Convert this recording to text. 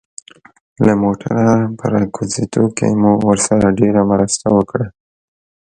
له موټره په راکوزېدو کې مو ورسره ډېره مرسته وکړه.